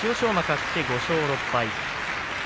馬、勝って５勝６敗。